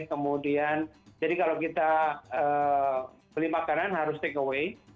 kemudian jadi kalau kita beli makanan harus take away